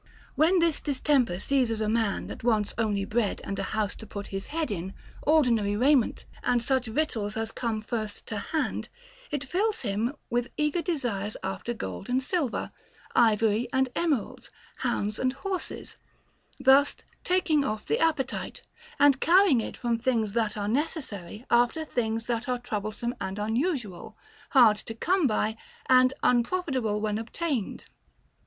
When this distemper seizes a man that wants only bread and a house to put his head in, ordinary raiment and such victuals as come first to hand, it fills him with eager desires after gold and silver, ivory and emeralds, hounds and horses ; thus taking off the appetite, and carrying it from things that are necessary after things that are troublesome and unusual, hard to come by, and unprofitable when ob tained.